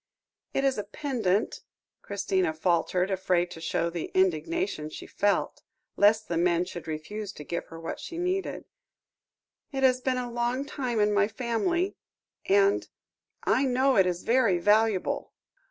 "It is a pendant," Christina faltered, afraid to show the indignation she felt, lest the men should refuse to give her what she needed; "it has been a long time in my family and I know it is very valuable."